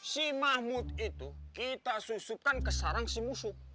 si mahmud itu kita susupkan ke sarang si musuh